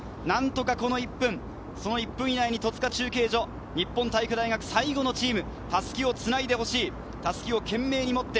なんとかこの１分、１分以内に戸塚中継所、日本体育大学最後のチーム、襷をつないでほしい。